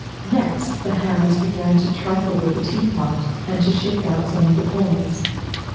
Next the hands began to trifle with the teapot, and to shake out some of the coins.